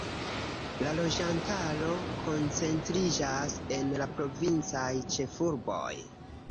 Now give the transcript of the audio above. La loĝantaro koncentriĝas en la provincaj ĉefurboj.